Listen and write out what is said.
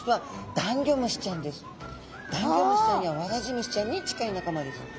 ダンギョムシちゃんやワラジムシちゃんに近い仲間です。